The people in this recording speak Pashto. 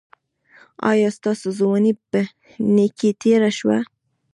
ایا ستاسو ځواني په نیکۍ تیره شوه؟